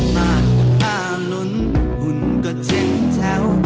มันอาหลุนหุ่นก็เจ็นแจ้ว